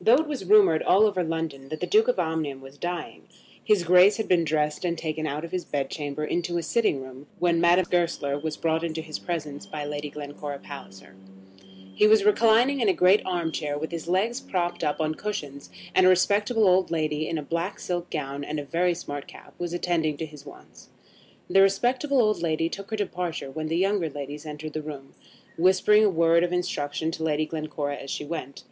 Though it was rumoured all over London that the Duke of Omnium was dying, his Grace had been dressed and taken out of his bed chamber into a sitting room, when Madame Goesler was brought into his presence by Lady Glencora Palliser. He was reclining in a great arm chair, with his legs propped up on cushions, and a respectable old lady in a black silk gown and a very smart cap was attending to his wants. The respectable old lady took her departure when the younger ladies entered the room, whispering a word of instruction to Lady Glencora as she went.